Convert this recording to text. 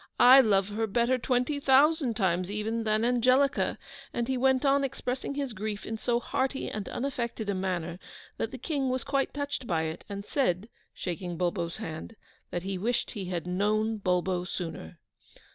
I love her better twenty thousand times even than Angelica,' and he went on expressing his grief in so hearty and unaffected a manner that the King was quite touched by it, and said, shaking Bulbo's hand, that he wished he had known Bulbo sooner.